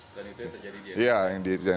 dan itu yang terjadi di nsa sekarang